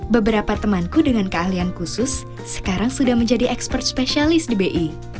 beberapa temanku dengan keahlian khusus sekarang sudah menjadi expert spesialis di bi